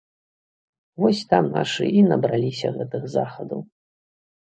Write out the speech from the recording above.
Вось там нашы і набраліся гэтых захадаў.